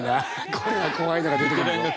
これは怖いのが出てくるぞ。